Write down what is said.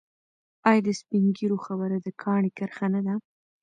آیا د سپین ږیرو خبره د کاڼي کرښه نه ده؟